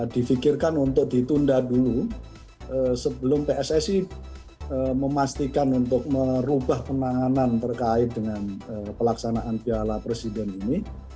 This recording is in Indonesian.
difikirkan untuk ditunda dulu sebelum pssi memastikan untuk merubah penanganan terkait dengan pelaksanaan bialatan